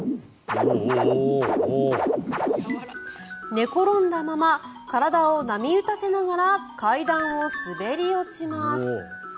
寝転んだまま体を波打たせながら階段を滑り落ちます。